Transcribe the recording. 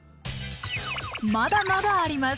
まだまだあります。